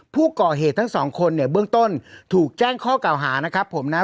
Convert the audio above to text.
ผู้ก่อเหตุทั้งสองคนเนี่ยเบื้องต้นถูกแจ้งข้อเก่าหานะครับผมนะ